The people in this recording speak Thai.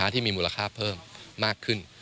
ที่มีมูลค่าเพิ่มมากขึ้น